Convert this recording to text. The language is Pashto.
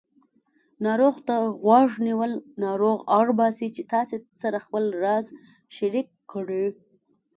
ناروغ ته غوږ نیول ناروغ اړباسي چې تاسې سره خپل راز شریک کړي